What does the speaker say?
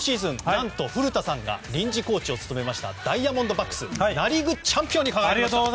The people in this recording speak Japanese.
何と古田さんが臨時コーチを務めましたダイヤモンドバックスがナ・リーグチャンピオンに輝きました。